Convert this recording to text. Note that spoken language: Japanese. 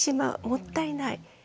もったいない。